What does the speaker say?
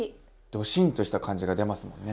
ドシンとした感じが出ますもんね。